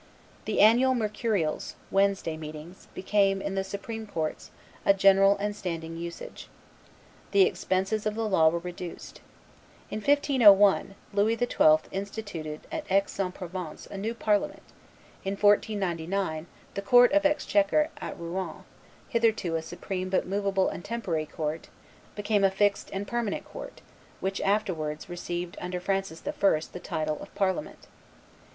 The annual Mercurials (Wednesday meetings) became, in the supreme courts, a general and standing usage. The expenses of the law were reduced. In 1501, Louis XII. instituted at Aix in Provence a new parliament; in 1499 the court of exchequer a Rouen, hitherto a supreme but movable and temporary court became a fixed and permanent court, which afterwards received under Francis I., the title of parliament.